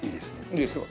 いいですか？